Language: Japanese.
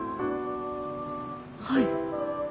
はい。